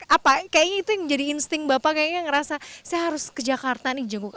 apa kayaknya itu yang jadi insting bapak kayaknya ngerasa saya harus ke jakarta nih jenguk